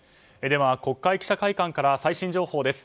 では国会記者会館から最新情報です。